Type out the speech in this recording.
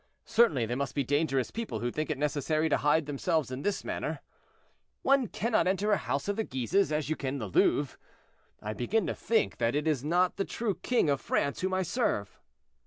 "Certainly, they must be dangerous people who think it necessary to hide themselves in this manner. One cannot enter a house of the Guises as you can the Louvre. I begin to think that it is not the true king of France whom I serve."